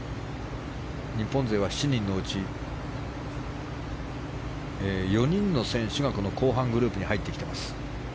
日本勢は７人のうち４人の選手が後半グループに入ってきています。